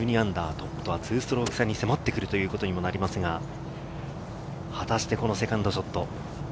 トップとは２ストローク差に迫ってくるということになりますが、果たしてこのセカンドショット。